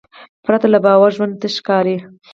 پرته له باور ژوند تش ښکاري.